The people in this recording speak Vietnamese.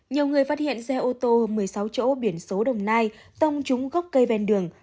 nhiều người phát hiện xe ô tô một mươi sáu chỗ biển số đồng nai tông trúng gốc cây ven đường